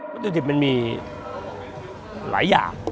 วัตถุดิบมันมีหลายอย่าง